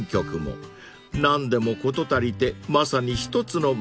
［何でも事足りてまさに一つの街ですね］